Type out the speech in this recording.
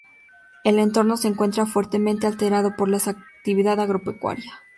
El entorno se encuentra fuertemente alterado por la actividad agropecuaria.